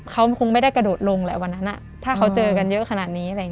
เขาคงไม่ได้กระโดดลงแหละวันนั้นถ้าเขาเจอกันเยอะขนาดนี้อะไรอย่างนี้